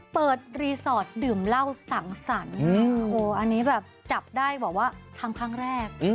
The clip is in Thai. เปิดรีสอร์ทดื่มเหล้าสังสรรค์อันนี้แบบจับได้แบบว่าทำครั้งแรก